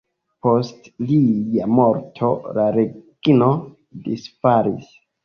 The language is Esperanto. Post lia morto la regno disfalis.